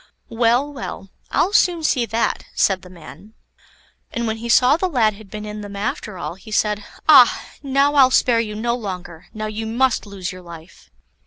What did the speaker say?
"Well, well; I'll soon see that," said the man; and when he saw the lad had been in them after all, he said: "Ah! now I'll spare you no longer; now you must lose your life."